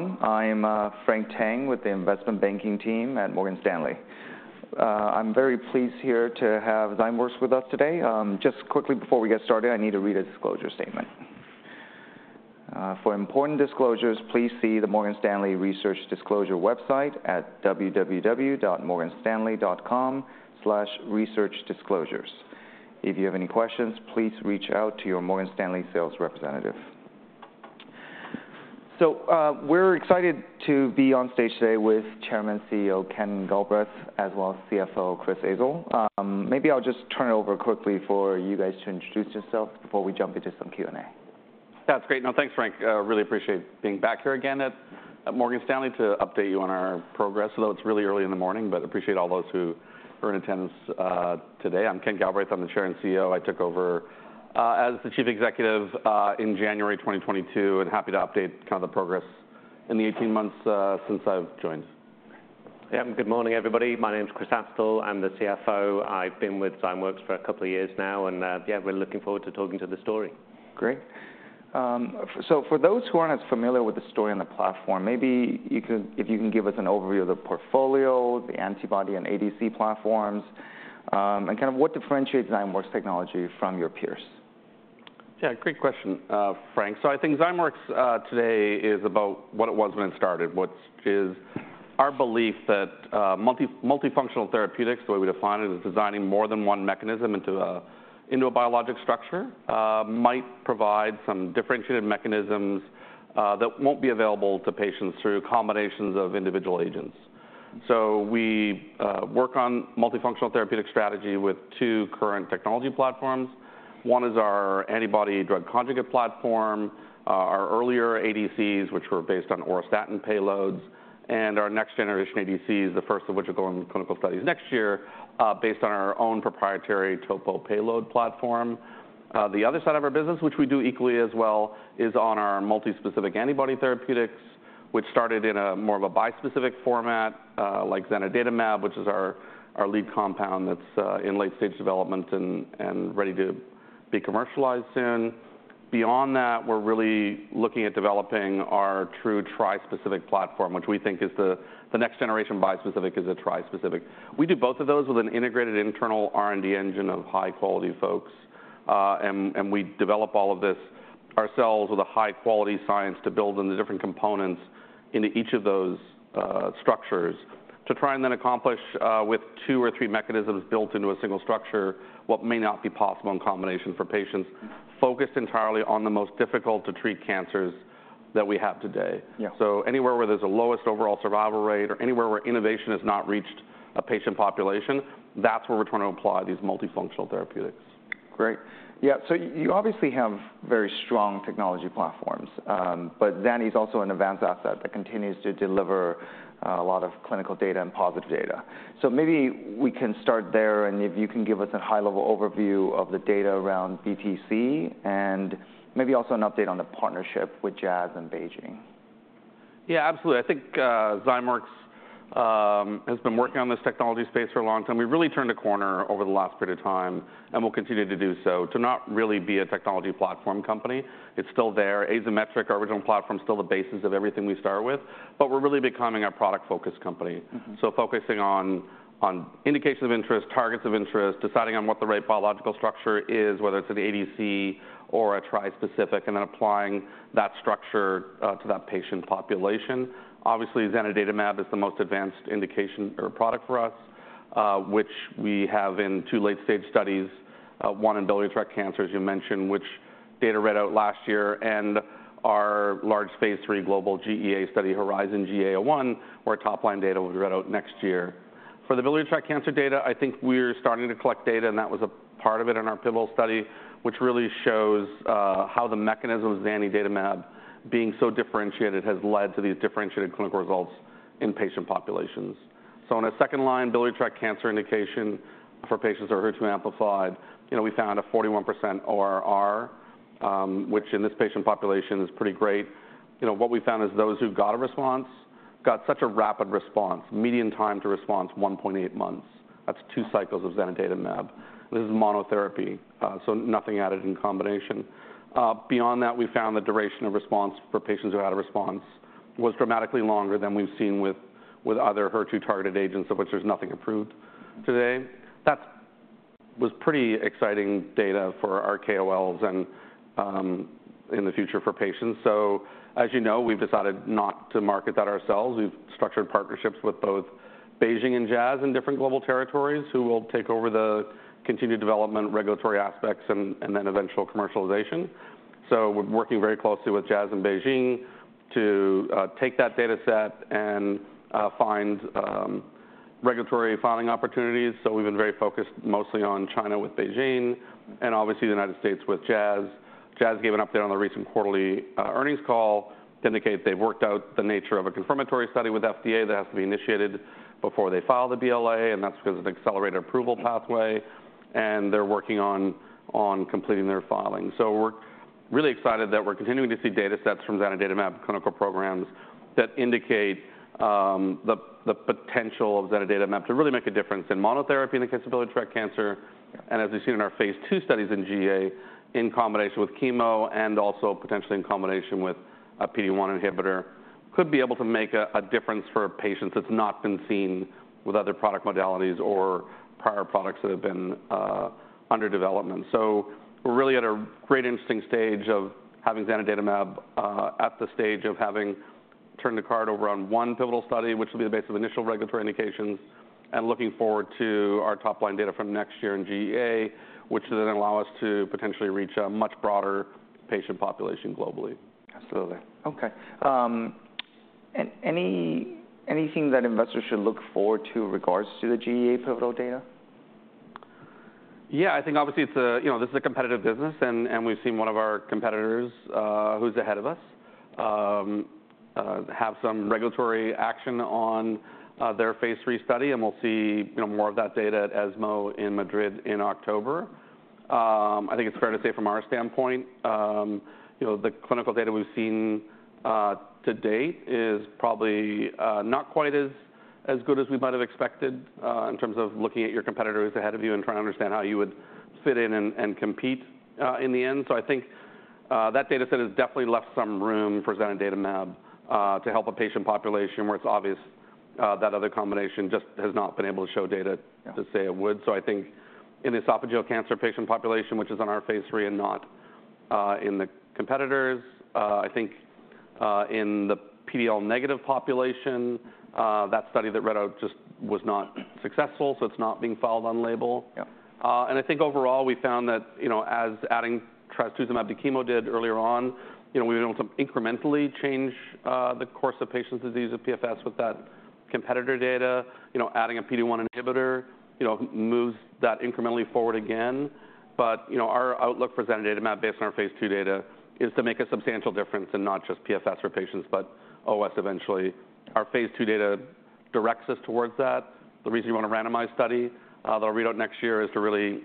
Hello, everyone. I'm Frank Tang with the investment banking team at Morgan Stanley. I'm very pleased here to have Zymeworks with us today. Just quickly before we get started, I need to read a disclosure statement. For important disclosures, please see the Morgan Stanley Research Disclosure website at www.morganstanley.com/researchdisclosures. If you have any questions, please reach out to your Morgan Stanley sales representative. We're excited to be on stage today with Chairman and CEO, Ken Galbraith, as well as CFO, Chris Astle. Maybe I'll just turn it over quickly for you guys to introduce yourselves before we jump into some Q&A. That's great. No, thanks, Frank. Really appreciate being back here again at, at Morgan Stanley to update you on our progress, although it's really early in the morning, but appreciate all those who are in attendance, today. I'm Ken Galbraith, I'm the Chair and CEO. I took over, as the Chief Executive, in January 2022, and happy to update kind of the progress in the 18 months, since I've joined. Yeah. Good morning, everybody. My name's Chris Astle. I'm the CFO. I've been with Zymeworks for a couple of years now, and, yeah, we're looking forward to talking to the story. Great. So for those who aren't as familiar with the story and the platform, maybe if you can give us an overview of the portfolio, the antibody, and ADC platforms, and kind of what differentiates Zymeworks technology from your peers? Yeah, great question, Frank. So I think Zymeworks today is about what it was when it started, which is our belief that multifunctional therapeutics, the way we define it, is designing more than one mechanism into a biologic structure, might provide some differentiated mechanisms that won't be available to patients through combinations of individual agents. So we work on multifunctional therapeutic strategy with two current technology platforms. One is our antibody drug conjugate platform, our earlier ADCs, which were based on auristatin payloads, and our next generation ADCs, the first of which are going to clinical studies next year, based on our own proprietary topo payload platform. The other side of our business, which we do equally as well, is on our multispecific antibody therapeutics, which started in a more of a bispecific format, like zanidatamab, which is our lead compound that's in late-stage development and ready to be commercialized soon. Beyond that, we're really looking at developing our true trispecific platform, which we think is the next generation bispecific is a trispecific. We do both of those with an integrated internal R&D engine of high-quality folks, and we develop all of this ourselves with a high-quality science to build on the different components into each of those structures, to try and then accomplish, with two or three mechanisms built into a single structure, what may not be possible in combination for patients, focused entirely on the most difficult-to-treat cancers that we have today. Yeah. So anywhere where there's a lowest overall survival rate or anywhere where innovation has not reached a patient population, that's where we're trying to apply these multifunctional therapeutics. Great. Yeah, so you obviously have very strong technology platforms. But Zani's also an advanced asset that continues to deliver a lot of clinical data and positive data. So maybe we can start there, and if you can give us a high-level overview of the data around BTC and maybe also an update on the partnership with Jazz and BeiGene. Yeah, absolutely. I think, Zymeworks, has been working on this technology space for a long time. We've really turned a corner over the last period of time, and we'll continue to do so, to not really be a technology platform company. It's still there. Azymetric, our original platform, is still the basis of everything we start with, but we're really becoming a product-focused company. Mm-hmm. Focusing on indications of interest, targets of interest, deciding on what the right biological structure is, whether it's an ADC or a trispecific, and then applying that structure to that patient population. Obviously, zanidatamab is the most advanced indication or product for us, which we have in two late-stage studies, one in biliary tract cancer, as you mentioned, which data read out last year, and our large phase III global GEA study, HERIZON-GEA-01, where top-line data will be read out next year. For the biliary tract cancer data, I think we're starting to collect data, and that was a part of it in our pivotal study, which really shows how the mechanism of zanidatamab being so differentiated has led to these differentiated clinical results in patient populations. So on a second line, biliary tract cancer indication for patients who are HER2 amplified, you know, we found a 41% ORR, which in this patient population is pretty great. You know, what we found is those who got a response got such a rapid response, median time to response, 1.8 months. That's two cycles of zanidatamab. This is monotherapy, so nothing added in combination. Beyond that, we found the duration of response for patients who had a response was dramatically longer than we've seen with, with other HER2-targeted agents, of which there's nothing approved today. That was pretty exciting data for our KOLs and, in the future for patients. So as you know, we've decided not to market that ourselves. We've structured partnerships with both BeiGene and Jazz in different global territories, who will take over the continued development, regulatory aspects, and then eventual commercialization. So we're working very closely with Jazz and BeiGene to take that dataset and find regulatory filing opportunities. So we've been very focused mostly on China with BeiGene and obviously the United States with Jazz. Jazz gave an update on the recent quarterly earnings call to indicate they've worked out the nature of a confirmatory study with FDA that has to be initiated before they file the BLA, and that's because of the accelerated approval pathway, and they're working on completing their filing. So we're really excited that we're continuing to see datasets from zanidatamab clinical programs that indicate the potential of zanidatamab to really make a difference in monotherapy in the case of biliary tract cancer. As we've seen in our phase II studies in GEA, in combination with chemo and also potentially in combination with a PD-1 inhibitor, could be able to make a difference for patients that's not been seen with other product modalities or prior products that have been under development. So we're really at a great interesting stage of having zanidatamab at the stage of having turned the card over on one pivotal study, which will be the basis of initial regulatory indications, and looking forward to our top-line data from next year in GEA, which will then allow us to potentially reach a much broader patient population globally. Absolutely. Okay. And anything that investors should look forward to in regards to the GEA pivotal data? Yeah, I think obviously it's a, you know, this is a competitive business, and we've seen one of our competitors, who's ahead of us, have some regulatory action on their phase III study, and we'll see, you know, more of that data at ESMO in Madrid in October. I think it's fair to say from our standpoint, you know, the clinical data we've seen to date is probably not quite as good as we might have expected in terms of looking at your competitors ahead of you and trying to understand how you would fit in and compete in the end. So I think that data set has definitely left some room for zanidatamab to help a patient population where it's obvious that other combination just has not been able to show data- Yeah... to say it would. So I think in esophageal cancer patient population, which is on our phase III and not in the competitors, I think in the PDL negative population, that study that read out just was not successful, so it's not being filed on label. Yeah. I think overall, we found that, you know, as adding trastuzumab to chemo did earlier on, you know, we were able to incrementally change the course of patient's disease with PFS, with that competitor data. You know, adding a PD-1 inhibitor, you know, moves that incrementally forward again. But, you know, our outlook for zanidatamab, based on our phase II data, is to make a substantial difference in not just PFS for patients, but OS eventually. Our phase II data directs us towards that. The reason you want a randomized study that will read out next year is to really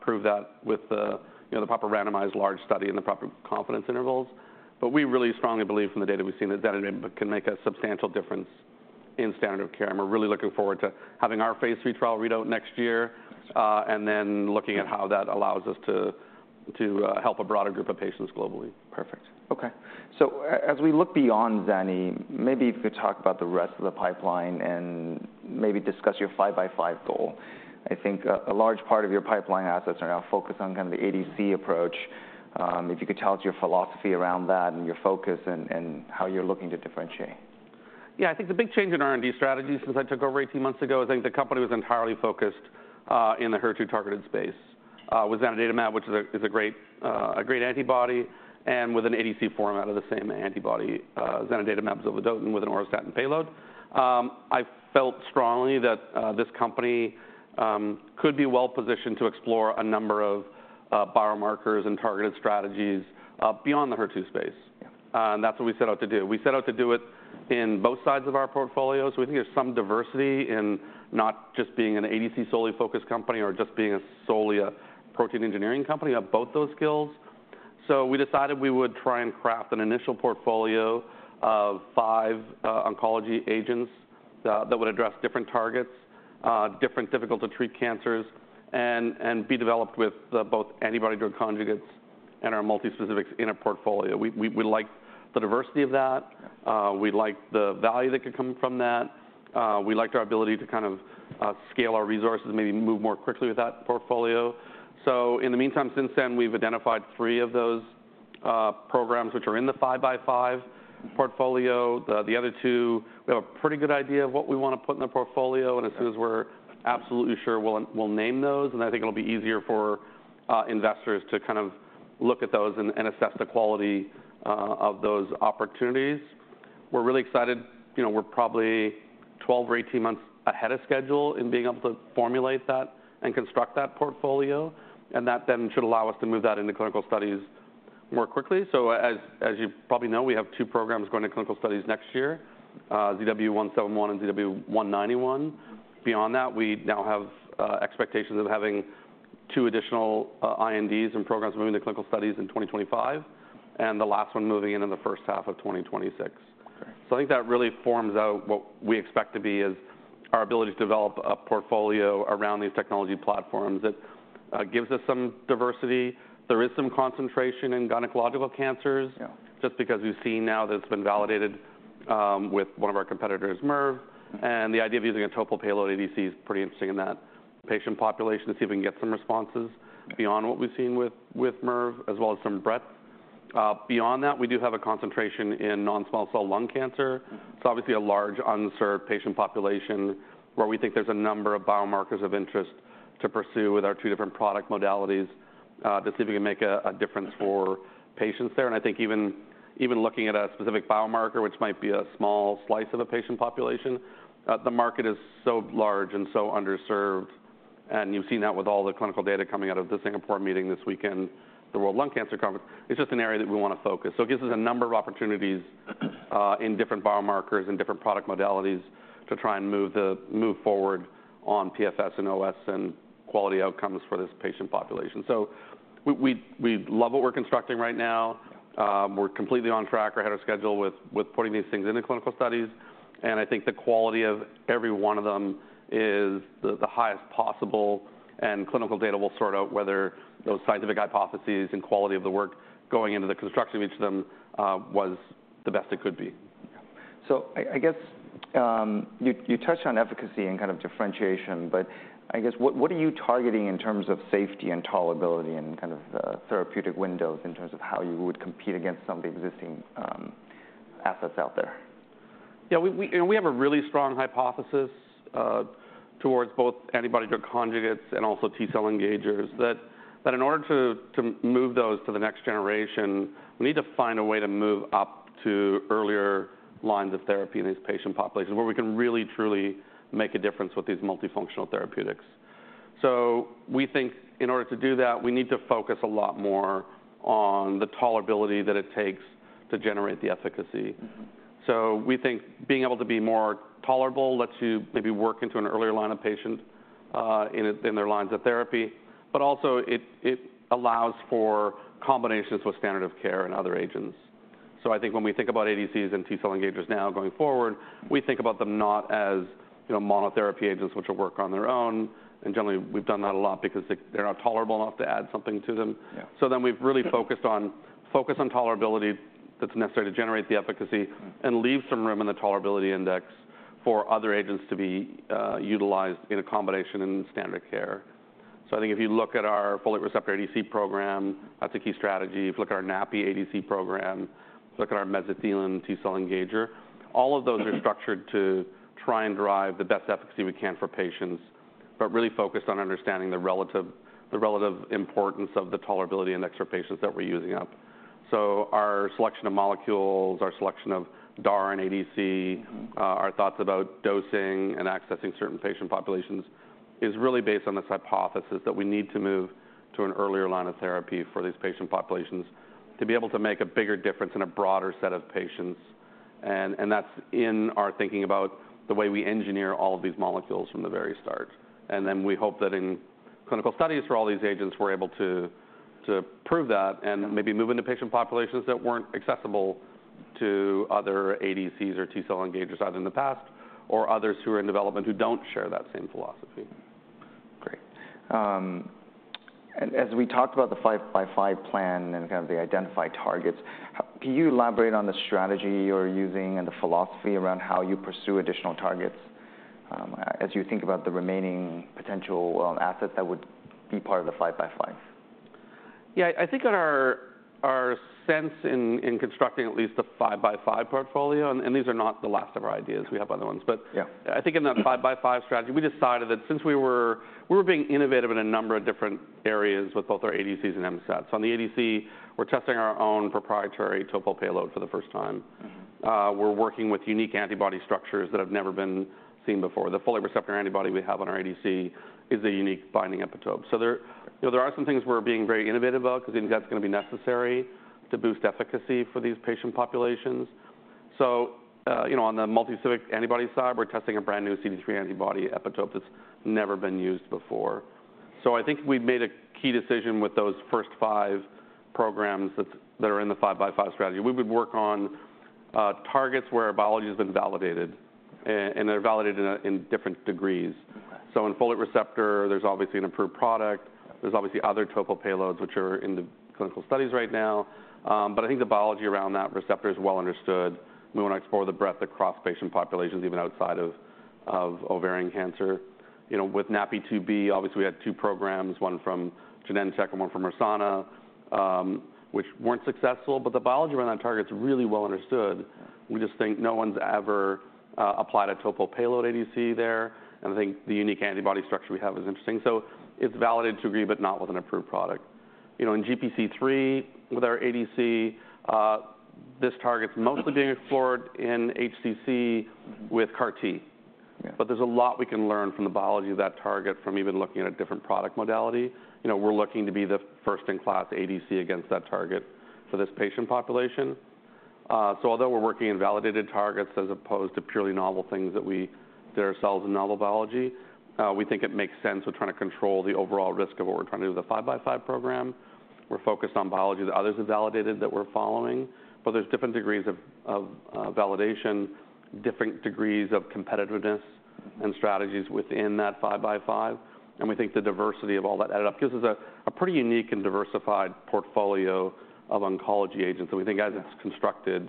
prove that with the, you know, the proper randomized large study and the proper confidence intervals. But we really strongly believe from the data we've seen, that zanidatamab can make a substantial difference in standard of care, and we're really looking forward to having our Phase III trial read out next year. Got you. And then looking at how that allows us to help a broader group of patients globally. Perfect. Okay. So as we look beyond zani, maybe if you could talk about the rest of the pipeline and maybe discuss your 5-by-5 goal. I think a large part of your pipeline assets are now focused on kind of the ADC approach. If you could tell us your philosophy around that and your focus and how you're looking to differentiate. Yeah, I think the big change in R&D strategy since I took over 18 months ago is I think the company was entirely focused in the HER2-targeted space with zanidatamab, which is a, is a great antibody and with an ADC format of the same antibody, zanidatamab zovodotin with an auristatin payload. I felt strongly that this company could be well positioned to explore a number of biomarkers and targeted strategies beyond the HER2 space. Yeah. And that's what we set out to do. We set out to do it in both sides of our portfolio. So we think there's some diversity in not just being an ADC solely focused company, or just being solely a protein engineering company, have both those skills. So we decided we would try and craft an initial portfolio of five oncology agents that would address different targets, different difficult-to-treat cancers, and be developed with the both antibody-drug conjugates and our multi-specifics in a portfolio. We like the diversity of that- Yeah. We like the value that could come from that. We liked our ability to kind of scale our resources, maybe move more quickly with that portfolio. So in the meantime, since then, we've identified three of those programs, which are in the 5-by-5 portfolio. The other two, we have a pretty good idea of what we want to put in the portfolio, and as soon as we're absolutely sure, we'll name those, and I think it'll be easier for investors to kind of look at those and assess the quality of those opportunities. We're really excited. You know, we're probably 12 or 18 months ahead of schedule in being able to formulate that and construct that portfolio, and that then should allow us to move that into clinical studies more quickly. So as you probably know, we have two programs going to clinical studies next year, ZW171 and ZW191. Beyond that, we now have expectations of having two additional INDs and programs moving to clinical studies in 2025, and the last one moving in the first half of 2026. Okay. So I think that really forms out what we expect to be is our ability to develop a portfolio around these technology platforms that gives us some diversity. There is some concentration in gynecological cancers- Yeah... just because we've seen now that it's been validated, with one of our competitors, Mirv, and the idea of using a topo payload ADC is pretty interesting in that patient population to see if we can get some responses- Yeah... beyond what we've seen with Mirv, as well as some breadth. Beyond that, we do have a concentration in non-small cell lung cancer. Mm-hmm. It's obviously a large, underserved patient population where we think there's a number of biomarkers of interest to pursue with our two different product modalities, to see if we can make a difference for patients there. And I think even looking at a specific biomarker, which might be a small slice of the patient population, the market is so large and so underserved, and you've seen that with all the clinical data coming out of the Singapore meeting this weekend, the World Lung Cancer Conference. It's just an area that we want to focus. So it gives us a number of opportunities, in different biomarkers and different product modalities to try and move forward on PFS and OS and quality outcomes for this patient population. So we love what we're constructing right now. We're completely on track or ahead of schedule with putting these things into clinical studies, and I think the quality of every one of them is the highest possible, and clinical data will sort out whether those scientific hypotheses and quality of the work going into the construction of each of them was the best it could be. So I guess you touched on efficacy and kind of differentiation, but I guess what are you targeting in terms of safety and tolerability and kind of the therapeutic windows in terms of how you would compete against some of the existing assets out there? Yeah, we have a really strong hypothesis towards both antibody-drug conjugates and also T-cell engagers, that in order to move those to the next generation, we need to find a way to move up to earlier lines of therapy in these patient populations, where we can really, truly make a difference with these multifunctional therapeutics. So we think in order to do that, we need to focus a lot more on the tolerability that it takes to generate the efficacy. Mm-hmm. So we think being able to be more tolerable lets you maybe work into an earlier line of patient in their lines of therapy, but also it allows for combinations with standard of care and other agents. So I think when we think about ADCs and T cell engagers now going forward, we think about them not as, you know, monotherapy agents, which will work on their own, and generally, we've done that a lot because they're not tolerable enough to add something to them. Yeah. So then we've really focused on tolerability that's necessary to generate the efficacy- Mm. and leave some room in the tolerability index for other agents to be utilized in a combination in standard care. So I think if you look at our folate receptor ADC program, that's a key strategy. If you look at our NaPi-2b ADC program, look at our mesothelin T cell engager, all of those- Mm are structured to try and drive the best efficacy we can for patients, but really focused on understanding the relative, the relative importance of the tolerability index for patients that we're using up. So our selection of molecules, our selection of DAR and ADC. Mm... our thoughts about dosing and accessing certain patient populations is really based on this hypothesis that we need to move to an earlier line of therapy for these patient populations to be able to make a bigger difference in a broader set of patients. And, and that's in our thinking about the way we engineer all of these molecules from the very start, and then we hope that in clinical studies for all these agents, we're able to, to prove that- Yeah... and maybe move into patient populations that weren't accessible to other ADCs or T cell engagers either in the past or others who are in development who don't share that same philosophy. Great. As we talked about the 5-by-5 plan and kind of the identified targets, can you elaborate on the strategy you're using and the philosophy around how you pursue additional targets, as you think about the remaining potential assets that would be part of the 5-by-5? Yeah, I think in our sense in constructing at least the 5-by-5 portfolio, and these are not the last of our ideas, we have other ones. But- Yeah... I think in that five-by-five strategy, we decided that since we were being innovative in a number of different areas with both our ADCs and MSATs. On the ADC, we're testing our own proprietary topo payload for the first time. Mm-hmm. We're working with unique antibody structures that have never been seen before. The folate receptor antibody we have on our ADC is a unique binding epitope. So there, you know, there are some things we're being very innovative about because we think that's gonna be necessary to boost efficacy for these patient populations. So, you know, on the multispecific antibody side, we're testing a brand-new CD3 antibody epitope that's never been used before. So I think we've made a key decision with those first five programs that are in the five-by-five strategy. We would work on targets where our biology has been validated, and they're validated in different degrees. Mm. So in folate receptor, there's obviously an approved product. There's obviously other topo payloads, which are in the clinical studies right now. But I think the biology around that receptor is well understood. We want to explore the breadth across patient populations, even outside of ovarian cancer. You know, with NaPi-2b, obviously, we had two programs, one from Genentech and one from Mersana, which weren't successful, but the biology around that target is really well understood. We just think no one's ever applied a topo payload ADC there, and I think the unique antibody structure we have is interesting. So it's validated to a degree, but not with an approved product. You know, in GPC3, with our ADC, this target's mostly being explored in HCC with CAR T. Yeah. But there's a lot we can learn from the biology of that target from even looking at a different product modality. You know, we're looking to be the first-in-class ADC against that target for this patient population. So although we're working in validated targets as opposed to purely novel things that are cells in novel biology, we think it makes sense. We're trying to control the overall risk of what we're trying to do with the five-by-five program. We're focused on biology that others have validated, that we're following, but there's different degrees of validation, different degrees of competitiveness- Mm... and strategies within that 5-by-5, and we think the diversity of all that added up gives us a pretty unique and diversified portfolio of oncology agents that we think, as it's constructed,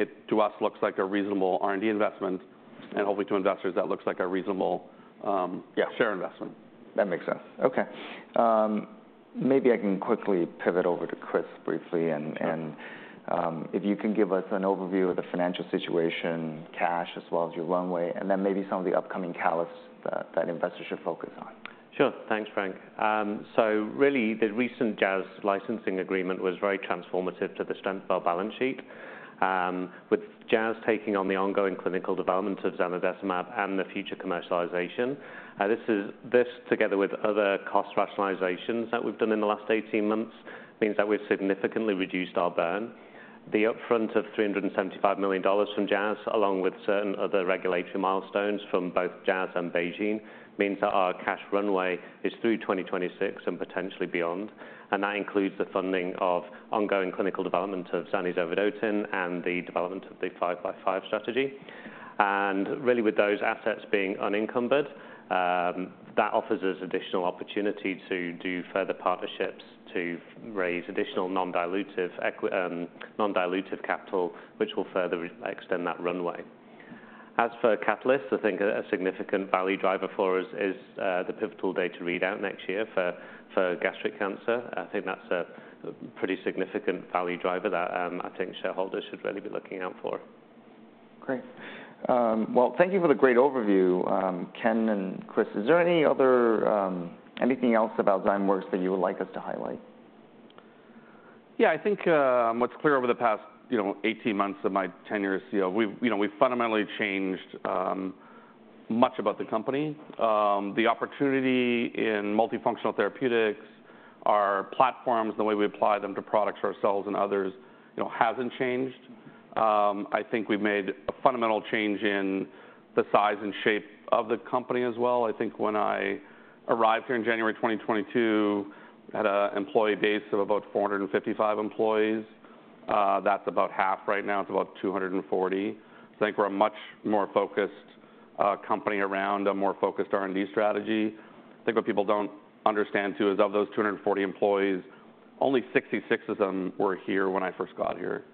it to us looks like a reasonable R&D investment, and hopefully to investors, that looks like a reasonable, Yeah... share investment. That makes sense. Okay. Maybe I can quickly pivot over to Chris briefly and, and- Sure. If you can give us an overview of the financial situation, cash, as well as your runway, and then maybe some of the upcoming catalysts that investors should focus on. Sure. Thanks, Frank. So really, the recent Jazz licensing agreement was very transformative to the Zymeworks balance sheet. With Jazz taking on the ongoing clinical development of zanidatamab and the future commercialization, this, together with other cost rationalizations that we've done in the last 18 months, means that we've significantly reduced our burn. The upfront of $375 million from Jazz, along with certain other regulatory milestones from both Jazz and BeiGene, means that our cash runway is through 2026 and potentially beyond, and that includes the funding of ongoing clinical development of zanidatamab zovodotin and the development of the five-by-five strategy. And really, with those assets being unencumbered, that offers us additional opportunity to do further partnerships to raise additional non-dilutive equity, non-dilutive capital, which will further re-extend that runway. As for catalysts, I think a significant value driver for us is the pivotal data readout next year for gastric cancer. I think that's a pretty significant value driver that I think shareholders should really be looking out for. Great. Well, thank you for the great overview, Ken and Chris. Is there any other... Anything else about Zymeworks that you would like us to highlight? Yeah, I think what's clear over the past, you know, 18 months of my tenure is, you know, we've fundamentally changed much about the company. The opportunity in multifunctional therapeutics, our platforms, the way we apply them to products ourselves and others, you know, hasn't changed. I think we've made a fundamental change in the size and shape of the company as well. I think when I arrived here in January 2022, had an employee base of about 455 employees. That's about half right now, it's about 240. I think we're a much more focused company around a more focused R&D strategy. I think what people don't understand, too, is of those 240 employees, only 66 of them were here when I first got here.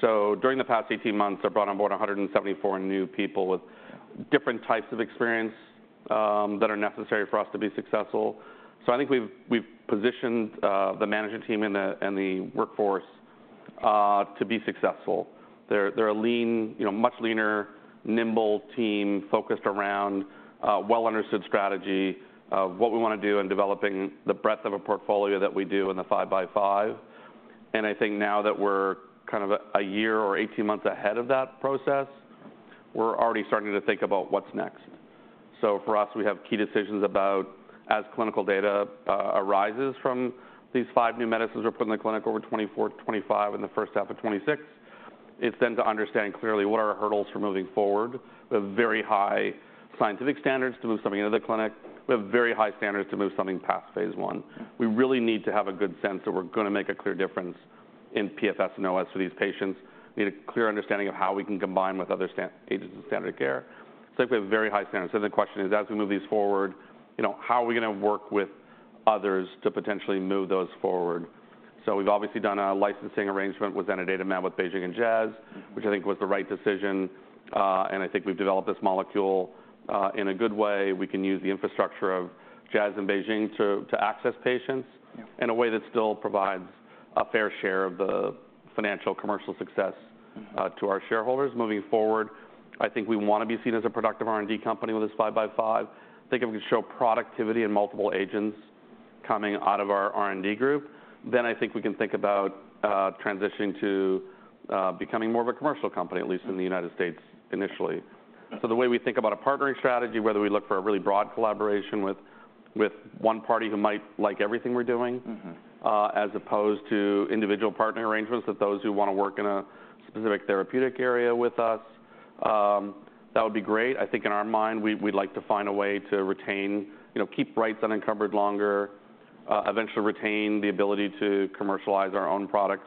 So during the past 18 months, I've brought on board 174 new people with different types of experience, that are necessary for us to be successful. So I think we've, we've positioned, the management team and the, and the workforce, to be successful. They're, they're a lean, you know, much leaner, nimble team, focused around a well-understood strategy of what we want to do in developing the breadth of a portfolio that we do in the 5-by-5. And I think now that we're kind of a, a year or 18 months ahead of that process, we're already starting to think about what's next. So for us, we have key decisions about, as clinical data arises from these five new medicines we're putting in the clinic over 2024, 2025 and the first half of 2026, it's then to understand clearly what are our hurdles for moving forward. We have very high scientific standards to move something into the clinic. We have very high standards to move something past phase I. We really need to have a good sense that we're going to make a clear difference in PFS and OS for these patients. We need a clear understanding of how we can combine with other standard agents of standard care. So I think we have very high standards. So the question is, as we move these forward, you know, how are we going to work with others to potentially move those forward? So we've obviously done a licensing arrangement with zanidatamab, with BeiGene and Jazz- Mm-hmm. which I think was the right decision, and I think we've developed this molecule in a good way. We can use the infrastructure of Jazz and BeiGene to access patients Yeah. in a way that still provides a fair share of the financial commercial success Mm-hmm. To our shareholders. Moving forward, I think we want to be seen as a productive R&D company with this 5-by-5. I think if we can show productivity in multiple agents coming out of our R&D group, then I think we can think about transitioning to becoming more of a commercial company, at least in the United States initially. Yeah. So the way we think about a partnering strategy, whether we look for a really broad collaboration with one party who might like everything we're doing- Mm-hmm. As opposed to individual partner arrangements with those who want to work in a specific therapeutic area with us, that would be great. I think in our mind, we, we'd like to find a way to retain... You know, keep rights unencumbered longer, eventually retain the ability to commercialize our own products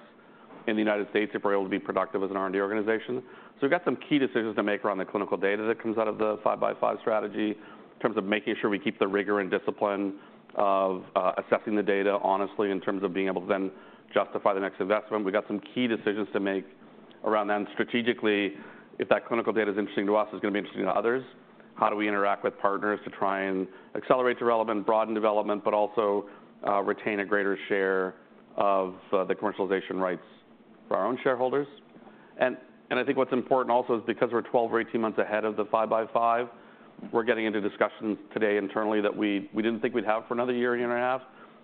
in the United States if we're able to be productive as an R&D organization. So we've got some key decisions to make around the clinical data that comes out of the 5-by-5 strategy, in terms of making sure we keep the rigor and discipline of, assessing the data honestly, in terms of being able to then justify the next investment. We've got some key decisions to make around that. And strategically, if that clinical data is interesting to us, it's going to be interesting to others. How do we interact with partners to try and accelerate development, broaden development, but also, retain a greater share of, the commercialization rights for our own shareholders? And I think what's important also is because we're 12 or 18 months ahead of the five-by-five, we're getting into discussions today internally that we didn't think we'd have for another year, year and a half,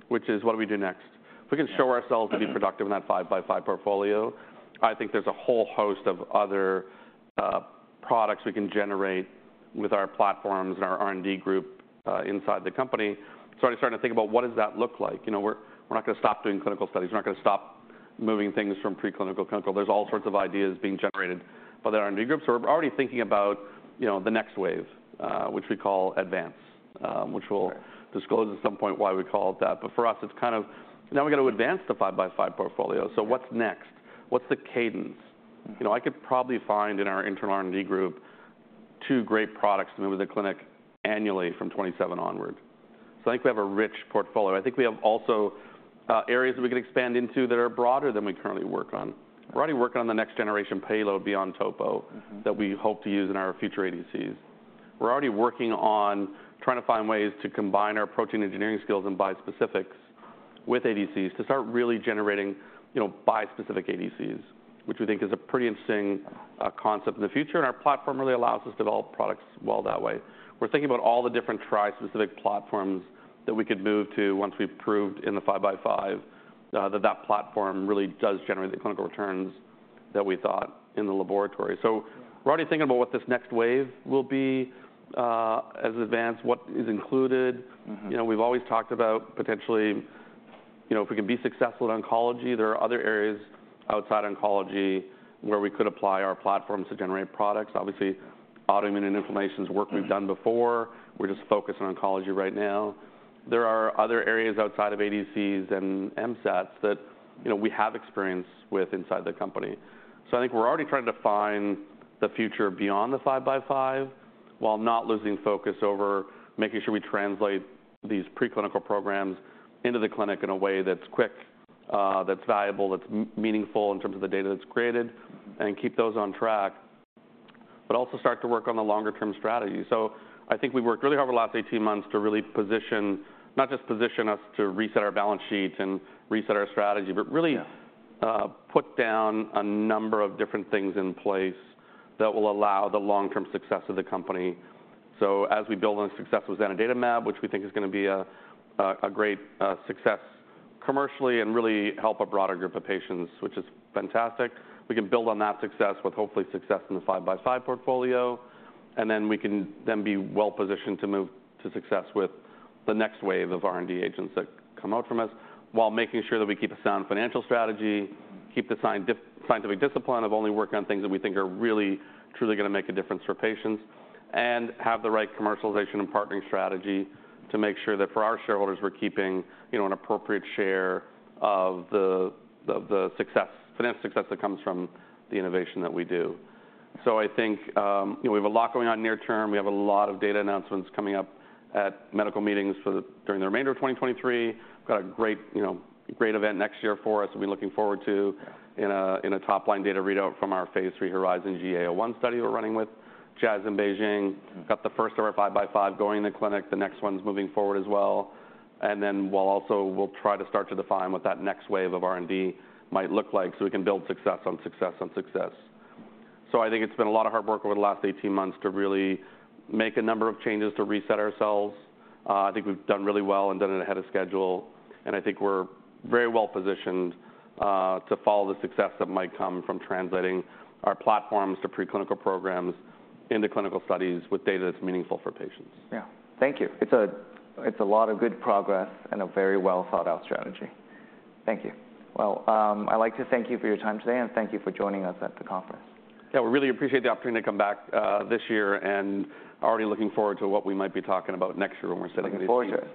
which is: what do we do next? Yeah. If we can show ourselves to be productive in that 5-by-5 portfolio, I think there's a whole host of other products we can generate with our platforms and our R&D group inside the company. So I'm starting to think about what does that look like? You know, we're not going to stop doing clinical studies. We're not going to stop moving things from preclinical, clinical. There's all sorts of ideas being generated by the R&D groups, so we're already thinking about, you know, the next wave, which we call Advance. Right. -which we'll disclose at some point why we called it that. But for us, it's kind of, now we've got to advance the five-by-five portfolio. Yeah. What's next? What's the cadence? Mm-hmm. You know, I could probably find in our internal R&D group two great products to move to the clinic annually from 2027 onward. So I think we have a rich portfolio. I think we have also areas that we could expand into that are broader than we currently work on. We're already working on the next generation payload beyond topo- Mm-hmm. -that we hope to use in our future ADCs. We're already working on trying to find ways to combine our protein engineering skills and bispecifics with ADCs to start really generating, you know, bispecific ADCs, which we think is a pretty interesting concept in the future, and our platform really allows us to develop products well that way. We're thinking about all the different trispecific platforms that we could move to once we've proved in the 5-by-5 that that platform really does generate the clinical returns that we thought in the laboratory. So we're already thinking about what this next wave will be, as advanced, what is included. Mm-hmm. You know, we've always talked about potentially, you know, if we can be successful at oncology, there are other areas outside oncology where we could apply our platforms to generate products. Obviously, autoimmune and inflammation's work- Mm - we've done before. We're just focused on oncology right now. There are other areas outside of ADCs and MSATs that, you know, we have experience with inside the company. So I think we're already trying to define the future beyond the five-by-five, while not losing focus over making sure we translate these preclinical programs into the clinic in a way that's quick, that's valuable, that's meaningful in terms of the data that's created, and keep those on track, but also start to work on the longer term strategy. So I think we've worked really hard over the last 18 months to really position... not just position us to reset our balance sheet and reset our strategy, but really- Yeah... put down a number of different things in place that will allow the long-term success of the company. So as we build on the success with zanidatamab, which we think is gonna be a great success commercially and really help a broader group of patients, which is fantastic, we can build on that success with hopefully success in the 5-by-5 portfolio. Then we can then be well-positioned to move to success with the next wave of R&D agents that come out from us, while making sure that we keep a sound financial strategy, keep the scientific discipline of only working on things that we think are really, truly gonna make a difference for patients, and have the right commercialization and partnering strategy to make sure that for our shareholders, we're keeping, you know, an appropriate share of the financial success that comes from the innovation that we do. So I think, you know, we have a lot going on near term. We have a lot of data announcements coming up at medical meetings during the remainder of 2023. We've got a great, you know, great event next year for us. We'll be looking forward to- Yeah... in a top-line data readout from our phase III HERIZON-GEA-01 study we're running with Jazz in Beijing. Mm. Got the first of our 5-by-5 going in the clinic. The next one's moving forward as well, and then we'll also, we'll try to start to define what that next wave of R&D might look like, so we can build success on success, on success. So I think it's been a lot of hard work over the last 18 months to really make a number of changes to reset ourselves. I think we've done really well and done it ahead of schedule, and I think we're very well-positioned to follow the success that might come from translating our platforms to preclinical programs into clinical studies with data that's meaningful for patients. Yeah. Thank you. It's a, it's a lot of good progress and a very well-thought-out strategy. Thank you. Well, I'd like to thank you for your time today, and thank you for joining us at the conference. Yeah, we really appreciate the opportunity to come back this year, and already looking forward to what we might be talking about next year when we're sitting in these seats.